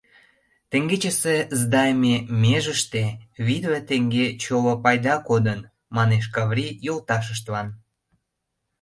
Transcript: Теҥгече сдайыме межыште витле теҥге чоло пайда кодын, — манеш Каври йолташыштлан.